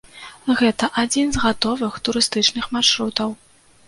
Гэта адзін з гатовых турыстычных маршрутаў.